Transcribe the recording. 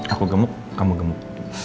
aku gemuk kamu gemuk